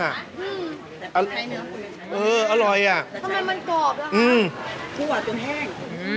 อินเงินคือหืมทำไมมันกรอบแล้วฮะคั่วจนแห้ง